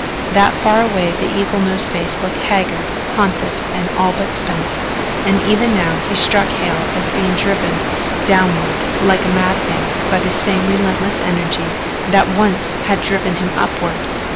That far away the eagle nosed face looked haggard, haunted and all but spent, and even now he struck Hale as being driven downward like a madman by the same relentless energy that once had driven him upward.